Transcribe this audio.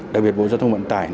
đặc biệt bộ giao thông vận tải